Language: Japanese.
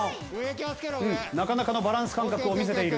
なかなかのバランス感覚を見せている。